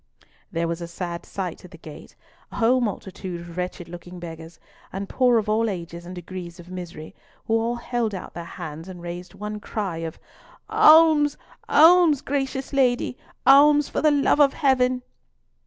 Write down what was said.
There was a sad sight at the gate,—a whole multitude of wretched looking beggars, and poor of all ages and degrees of misery, who all held out their hands and raised one cry of "Alms, alms, gracious Lady, alms, for the love of heaven!"